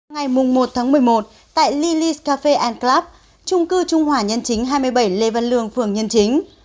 ngày một tháng một mươi một tại lily s cafe club trung cư trung hỏa nhân chính hai mươi bảy lê văn lường phường nhân chính